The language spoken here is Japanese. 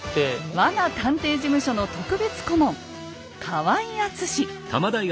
我が探偵事務所の特別顧問河合敦。